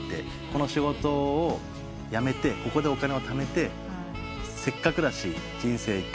この仕事を辞めてここでお金をためてせっかくだし人生１回きりだし